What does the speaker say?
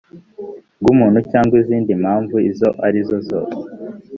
bw umuntu cyangwa izindi mpamvu izo arizo